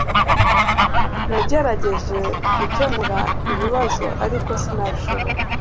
Nagerageje gukemura ikibazo ariko sinabishobora